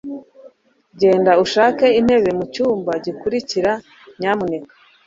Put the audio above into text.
Genda ushake intebe mucyumba gikurikira, nyamuneka